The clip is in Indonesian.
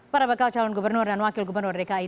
para bakal calon gubernur dan wakil gubernur dki